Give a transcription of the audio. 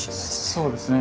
そうですね。